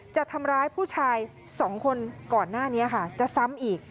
จะทำร้ายผู้ชาย๒คนก่อนหน้านี้ค่ะจะซ้ำอีก